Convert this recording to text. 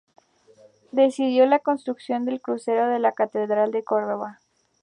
Decidió la construcción del crucero de la catedral de Córdoba.